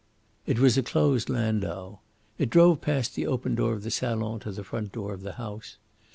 It was a closed landau. It drove past the open door of the salon to the front door of the house.